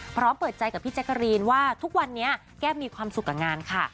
พร้อมเปิดใจกับพี่แจ๊กกะรีนว่าทุกวันนี้แก้มมีความสุขกับงานค่ะ